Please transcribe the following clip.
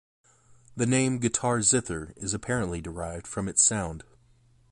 The name guitar zither is apparently derived from its sound.